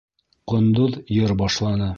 Ҡондоҙ йыр башланы: